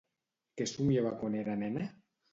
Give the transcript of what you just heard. Què somiava quan era nena?